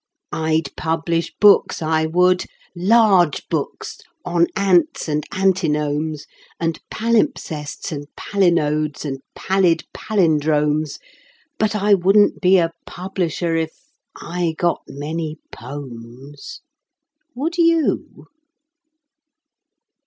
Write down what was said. I'd publish books, I would large books on ants and antinomes And palimpsests and palinodes and pallid pallindromes: But I wouldn't be a publisher if .... I got many "pomes." Would you?